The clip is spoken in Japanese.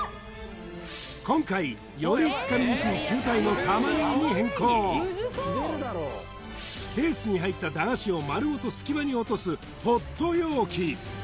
今回よりつかみにくい球体のタマネギに変更ケースに入った駄菓子を丸ごと隙間に落とす